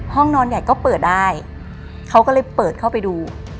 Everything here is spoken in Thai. ห้องนอนใหญ่ก็เปิดได้เขาก็เลยเปิดเข้าไปดู